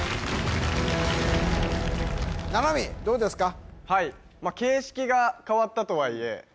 七海どうですか？